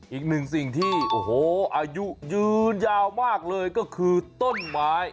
อีกหนึ่งสิ่งที่โอ้โหอายุยืนยาวมากเลยก็คือต้นไม้